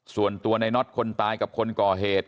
ส่วนตัวในน็อตคนตายกับคนก่อเหตุ